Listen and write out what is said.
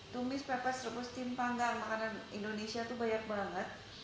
tumis pepas rebus timpang makanan indonesia itu banyak banget